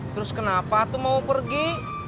terus kenapa mau pergi